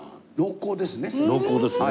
濃厚ですね。